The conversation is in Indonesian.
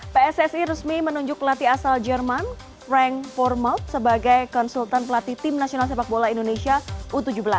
pssi resmi menunjuk pelatih asal jerman frank formald sebagai konsultan pelatih tim nasional sepak bola indonesia u tujuh belas